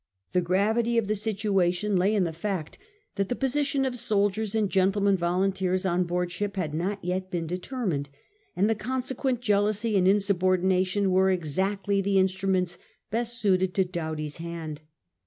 The gravity of the situation lay in the fact that the position of soldiers and gentlemen volunteers on board ship had not yet been determined, and the consequent jealousy and insub ordination were exactly the instruments best suited to Doughty*s hand.